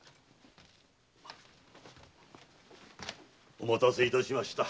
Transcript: お待たせいたしました。